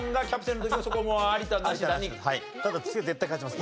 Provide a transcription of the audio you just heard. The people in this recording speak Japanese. ただ次は絶対勝ちます。